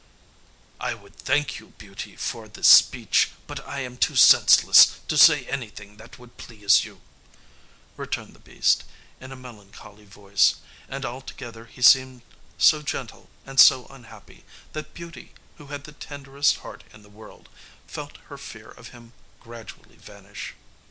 "I would thank you, Beauty, for this speech, but I am too senseless to say anything that would please you," returned the beast, in a melancholy voice; and altogether he seemed so gentle and so unhappy that Beauty, who had the tenderest heart in the world, felt her fear of him gradually vanish.